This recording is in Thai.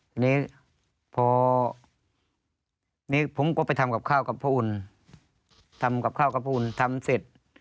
ทีนี้พอนี้ผมก็ไปทำกับข้าวกับพ่ออุ่นทำกับข้าวกระพุนทำเสร็จ